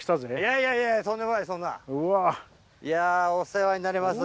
いやお世話になります。